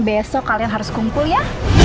besok kalian harus kumpul ya